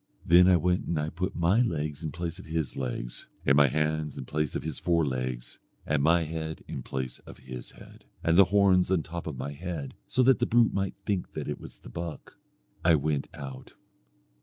Then I went and I put my legs in place of his legs, and my hands in place of his forelegs, and my head in place of his head, and the horns on top of my head, so that the brute might think that it was the buck. I went out.